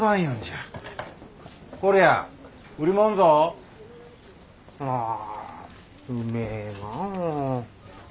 あうめえなあ。